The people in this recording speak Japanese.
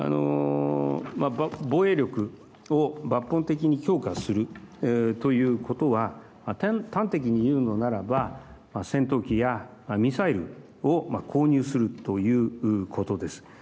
防衛力を抜本的に強化するということは端的に言うのならば戦闘機やミサイルを購入するということです。